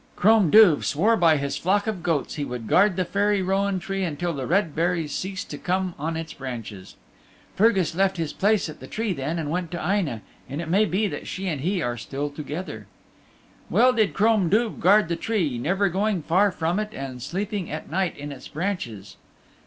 Crom Duv swore by his flock of goats he would guard the Fairy Rowan Tree until the red berries ceased to come on its branches. Fergus left his place at the tree then and went to Aine', and it may be that she and he are still together. Well did Crom Duv guard the tree, never going far from it and sleeping at night in its branches.